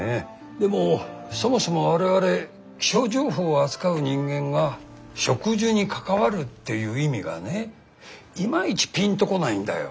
でもそもそも我々気象情報を扱う人間が植樹に関わるっていう意味がねいまいちピンと来ないんだよ。